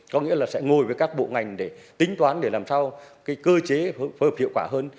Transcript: có nghĩa là sẽ ngồi với các bộ ngành để tính toán để làm sao cái cơ chế phối hợp hiệu quả hơn